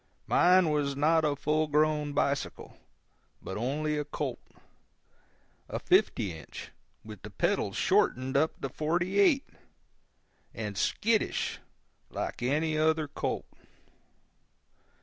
Mine was not a full grown bicycle, but only a colt—a fifty inch, with the pedals shortened up to forty eight—and skittish, like any other colt.